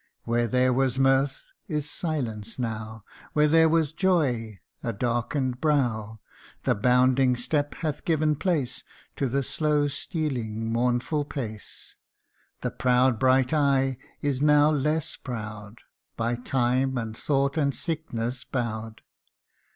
THE BRIDE. Where there was mirth, is silence now Where there was joy, a darkened brow The bounding step hath given place To the slow stealing mournful pace ; The proud bright eye is now less proud, By time, and thought, and sickness bowed.